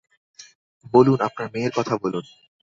বলুন, আপনার মেয়ের কথা বলুন।